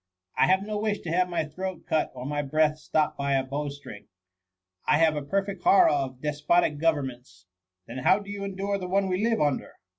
' I have no wish to have my throat cut, or my breath stopped by a bowstring. I 116 THE MUMMT. have a perfect horror of despotic govern* ments.^ " Then how do you endure the one we live under